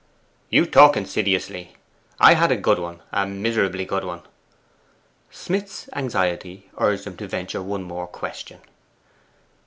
'You talk insidiously. I had a good one a miserably good one!' Smith's anxiety urged him to venture one more question.